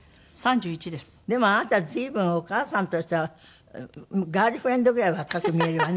でもあなた随分お母さんとしてはガールフレンドぐらい若く見えるわね